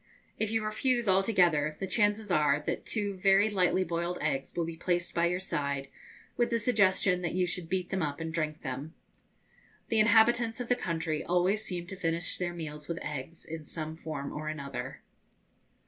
If you refuse altogether, the chances are that two very lightly boiled eggs will be placed by your side, with the suggestion that you should beat them up and drink them. The inhabitants of the country always seem to finish their meals with eggs in some form or another.